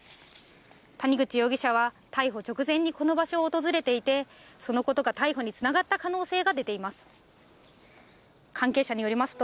谷口容疑者は逮捕直前にこの場所を訪れていて、そのことが逮捕につながった可能性が出ています。